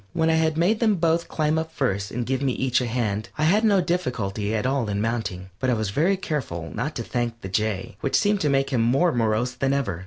When I had made them both climb up first and give me each a hand, I had no difficulty at all in mounting, but I was very careful not to thank the Jay, which seemed to make him more morose than ever.